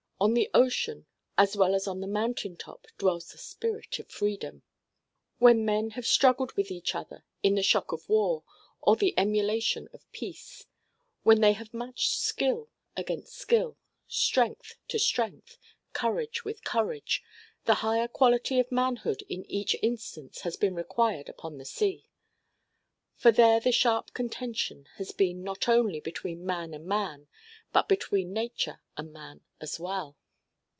On the ocean as well as on the mountain top dwells the spirit of freedom. When men have struggled with each other in the shock of war, or the emulation of peace, when they have matched skill against skill, strength to strength, courage with courage, the higher quality of manhood in each instance has been required upon the sea; for there the sharp contention has been not only between man and man but between nature and man as well.